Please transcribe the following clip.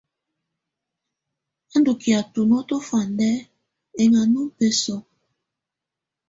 A ndù kɛ̀á tuno tùfandɛ ɛŋana ᴜbɛsɔ̀.